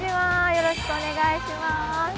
よろしくお願いします。